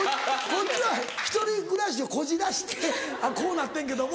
こっちは１人暮らしをこじらせてこうなってんけども。